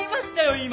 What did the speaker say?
今！